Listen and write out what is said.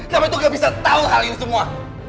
tapi itu gak bisa tahu hal ini semua